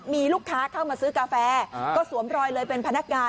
มีลูกค้าเข้ามาซื้อกาแฟก็สวมรอยเลยเป็นพนักงาน